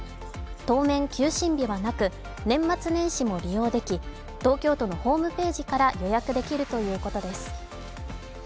当面、休診日はなく年末年始も利用でき、東京都のホームページから予約できるということです。